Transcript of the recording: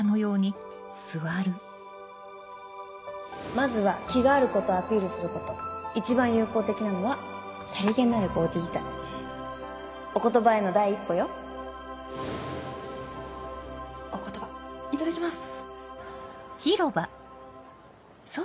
まずは気があることをアピールするこ一番有効的なのはさりげないボディーお言葉への第一歩よお言葉頂きます！